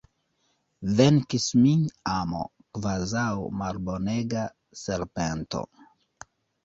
Venkis min amo, kvazaŭ malbonega serpento!